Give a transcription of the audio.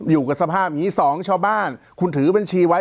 อยู่กับสภาพอย่างนี้๒ชาวบ้านคุณถือบัญชีไว้